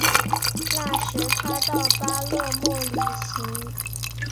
那时他到巴勒莫旅行。